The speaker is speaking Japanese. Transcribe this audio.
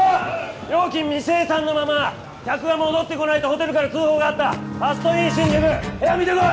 料金未精算のまま客が戻ってこないとホテルから通報があったファストイン新宿部屋見てこい！